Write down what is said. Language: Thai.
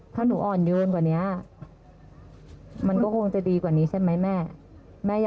ถ้าหนูอ่อนโยนกว่านี้มันก็คงจะดีกว่านี้ใช่ไหมแม่